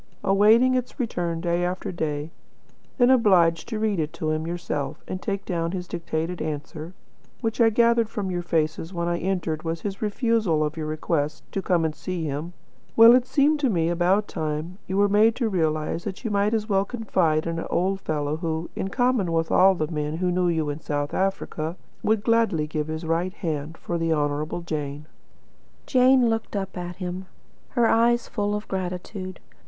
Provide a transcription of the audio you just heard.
awaiting its return day after day, then obliged to read it to him yourself, and take down his dictated answer, which I gathered from your faces when I entered was his refusal of your request to come and see him, well, it seemed to me about time you were made to realise that you might as well confide in an old fellow who, in common with all the men who knew you in South Africa, would gladly give his right hand for the Honourable Jane." Jane looked at him, her eyes full of gratitude.